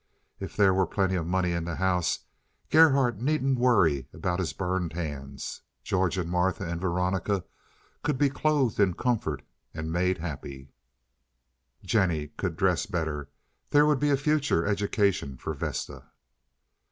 If there were plenty of money in the house Gerhardt need not worry about his burned hands; George and Martha and Veronica could be clothed in comfort and made happy. Jennie could dress better; there would be a future education for Vesta.